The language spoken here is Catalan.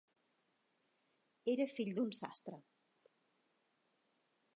Era fill d'un sastre.